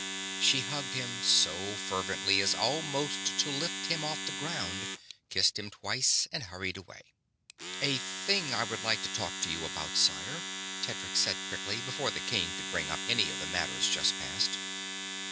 She hugged him so fervently as almost to lift him off the ground, kissed him twice, and hurried away. "A thing I would like to talk to you about, sire," Tedric said quickly, before the king could bring up any of the matters just past.